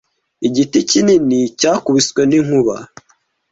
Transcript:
Igiti kinini cyakubiswe n'inkuba.